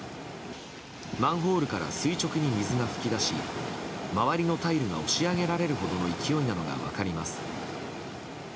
マンホールから垂直に水が噴き出し周りのタイルが押し上げられるほどの勢いなのが分かります。